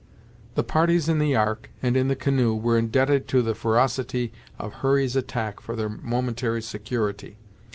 The parties in the Ark, and in the canoe, were indebted to the ferocity of Hurry's attack for their momentary security.